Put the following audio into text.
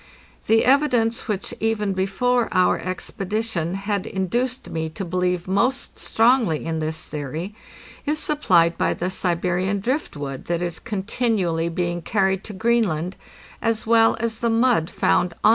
The evidence which even before our expedition had induced me to believe most strongly in this theory is sup plied by the Siberian drift wood that is continually being car ried to Greenland, as well as the mud found on the ice, as it nue ioe.